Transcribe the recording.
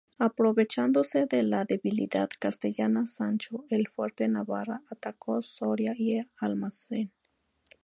Aprovechándose de la debilidad castellana, Sancho el Fuerte de Navarra atacó Soria y Almazán.